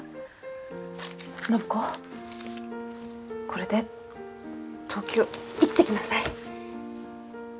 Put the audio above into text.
これで東京行ってきなさい。